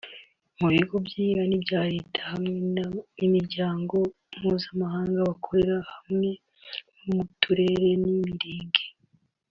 mu bigo byigenga n’ibya Leta hamwe n’ imiryango mpuzamahanga bakorera hamwe no mu turere n’imirenge